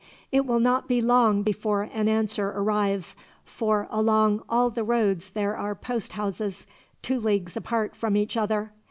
"It will not be long before an answer arrives, for along all the roads there are post houses, two leagues apart from each other.